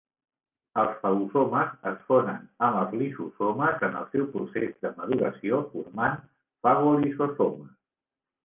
Els fagosomes es fonen amb els lisosomes en el seu procés de maduració formant fagolisosomes.